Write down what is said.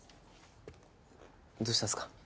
どうしたんですか？